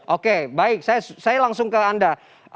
oke baik saya langsung ke anda